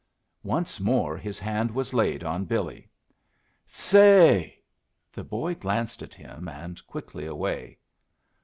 Once more his hand was laid on Billy. "Say!" The boy glanced at him, and quickly away.